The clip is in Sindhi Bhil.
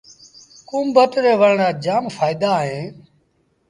ڪُوڀٽ ري وڻ رآ جآم ڦآئيدآ اهيݩ۔